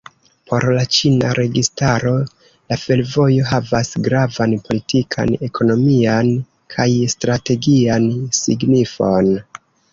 Por la ĉina registaro la fervojo havas gravan politikan, ekonomian kaj strategian signifon.